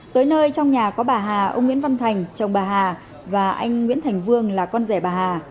tới nơi trong nhà có bà hà ông nguyễn văn thành chồng bà hà và anh nguyễn thành vương là con rể bà hà